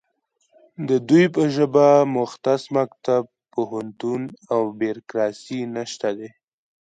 د دوی په ژبه مختص مکتب، پوهنتون او بیرکراسي نشته دی